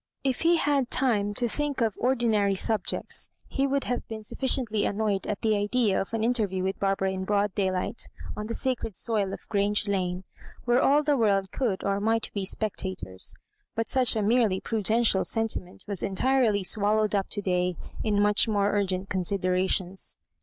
If he had had time to thmk of ordi nary subjects, he would have been suflBciently annoyed at the idea of an interview with Bar bara in broad daylight on the sacred soil of Q range Lane, where all the world could or might be spectators; but such a merely prudential sen timent was entirely swallowed up to day in much more urgent considerations.